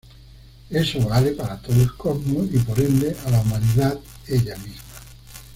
Eso vale para todo el cosmos y por ende a la humanidad ella misma.